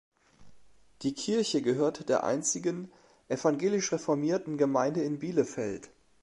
Die Kirche gehört der einzigen evangelisch-reformierten Gemeinde in Bielefeld.